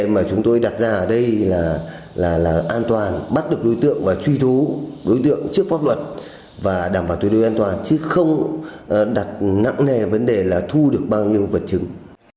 mà chúng tôi đặt ra ở đây là an toàn bắt được đối tượng và truy thú đối tượng trước pháp luật và đảm bảo tuyệt đối an toàn chứ không đặt nặng nề vấn đề là thu được bao nhiêu vật chứng